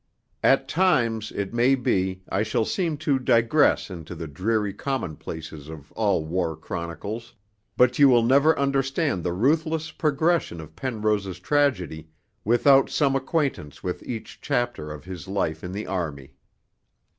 At times, it may be, I shall seem to digress into the dreary commonplaces of all war chronicles, but you will never understand the ruthless progression of Penrose's tragedy without some acquaintance with each chapter of his life in the army.